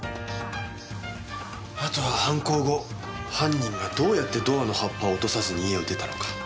あとは犯行後犯人がどうやってドアの葉っぱを落とさずに家を出たのか。